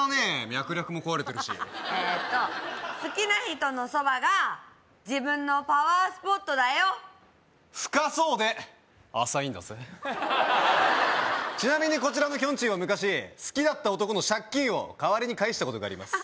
脈絡も壊れてるしえっと好きな人のそばが自分のパワースポットだよ深そうで浅いんだぜちなみにこちらのきょんちぃは昔好きだった男の借金を代わりに返したことがあります